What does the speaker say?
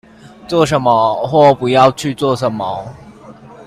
做什麼或不要去做什麼